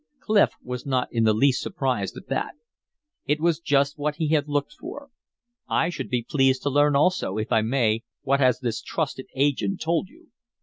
Clif was not in the least surprised at that. It was just what he had looked for. "I should be pleased to learn also, if I may, what has this trusted agent told you?"